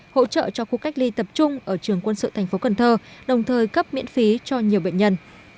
hỗ trợ cho khu cách ly tập trung ở trường quân sự thành phố cần thơ đồng thời cấp miễn phí cho nhiều bệnh nhân